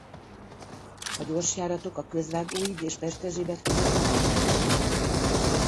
A gyorsjáratok a Közvágóhíd és Pesterzsébet között nem állnak meg.